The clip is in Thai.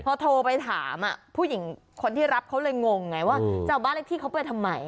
พอโทรไปถามผู้หญิงคนที่รับเขาเลยงงไงว่าจะเอาบ้านเลขที่เขาไปทำไม